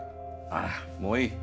ああもういい。